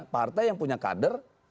partai yang punya kader